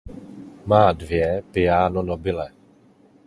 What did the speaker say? Má dvě Piano nobile.